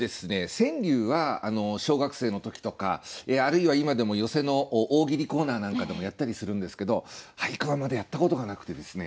川柳は小学生の時とかあるいは今でも寄席の大喜利コーナーなんかでもやったりするんですけど俳句はまだやったことがなくてですねはい。